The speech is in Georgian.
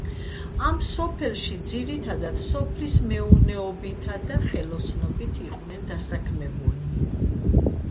ამ სოფელში ძირითადად სოფლის მეურნეობითა და ხელოსნობით იყვნენ დასაქმებულნი.